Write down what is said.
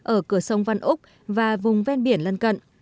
ở cửa sông văn úc và vùng ven biển lân cận